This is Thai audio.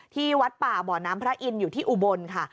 ที่วัดป่าบ่อน้ำพระอินทร์อยู่ที่อุบลค่ะ